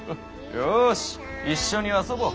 よし一緒に遊ぼう。